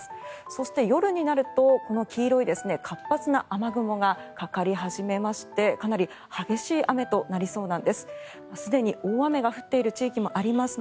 そして、夜になるとこの黄色い活発な雨雲がかかり始めましてかなり激しい雨となりそうなんです。